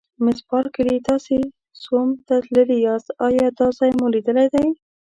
مس بارکلي: تاسي سوم ته تللي یاست، ایا دا ځای مو لیدلی دی؟